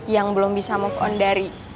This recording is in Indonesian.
yang belum bisa move on dari aldino ya